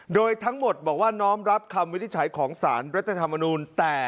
โดยทั้งหมดบอกว่าน้อมรับคำวินิจฉัยของสารรัฐธรรมนูล